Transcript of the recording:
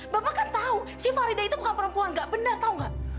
bapak kan tahu si farida itu bukan perempuan gak benar tahu nggak